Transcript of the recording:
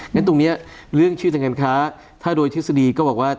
งั้นตรงนี้เรื่องชื่อทางการค้าถ้าโดยทฤษฎีก็บอกว่า